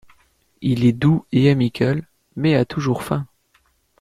Il est doux et amical mais a toujours faim.